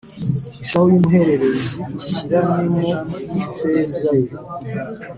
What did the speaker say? isaho y umuhererezi ushyiranemo n ifeza ye